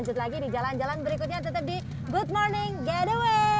cinta ke wargazil yang lebih sedekat dari kami